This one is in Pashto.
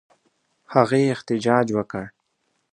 هغې احتجاج وکړ.